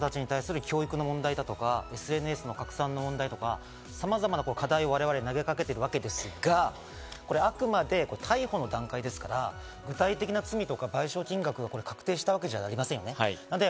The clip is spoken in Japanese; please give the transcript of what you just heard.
例えばこれ、若い人たちに対する教育の問題だとか、ＳＮＳの拡散の問題とか、様々な課題を我々に投げかけたわけですが、これ、あくまで逮捕の段階ですから、具体的な罪とか賠償金額が確定したわけじゃありませんね。